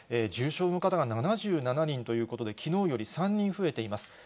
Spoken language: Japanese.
重症の方が７７人ということで、きのうより３人増えています。